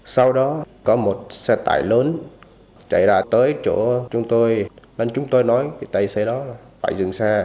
sau đó có một xe tải lớn chạy ra tới chỗ chúng tôi nên chúng tôi nói với tài xế đó là phải dừng xe